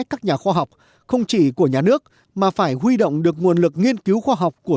các nhà khoa học không chỉ của nhà nước mà phải huy động được nguồn lực nghiên cứu khoa học của